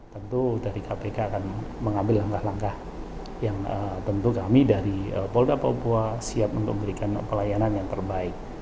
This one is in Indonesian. tentu dari kpk akan mengambil langkah langkah yang tentu kami dari polda papua siap untuk memberikan pelayanan yang terbaik